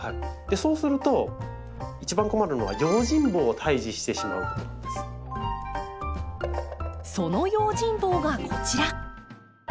そうすると一番困るのはその用心棒がこちら。